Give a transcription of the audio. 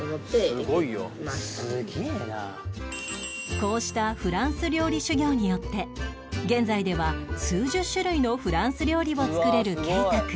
こうしたフランス料理修業によって現在では数十種類のフランス料理を作れる圭太くん